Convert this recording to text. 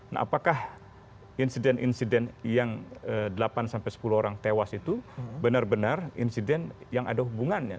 nah apakah insiden insiden yang delapan sampai sepuluh orang tewas itu benar benar insiden yang ada hubungannya